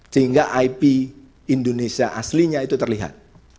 sehingga ip indonesia aslinya itu terlihat